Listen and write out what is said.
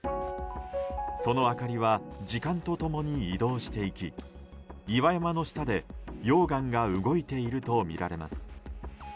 その明かりは時間と共に移動していき岩山の下で溶岩が動いているとみられます。